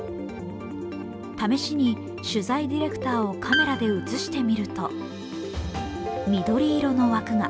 試しに取材ディレクターをカメラで映してみると緑色の枠が。